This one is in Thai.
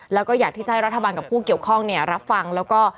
แล้วก็อยากที่จะให้รัฐบาลกับผู้เกี่ยวข้องรับฟังแล้วก็